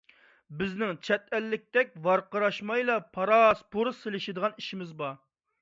بىزنىڭ چەت ئەللىكتەك ۋارقىراشمايلا پاراس-پۇرۇس سېلىشىدىغان ئىشىمىز بار.